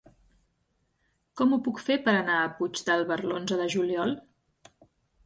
Com ho puc fer per anar a Puigdàlber l'onze de juliol?